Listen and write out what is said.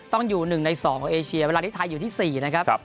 ต้องอยู่๑ใน๒ของเอเชียเวลาที่ไทยอยู่ที่๔นะครับ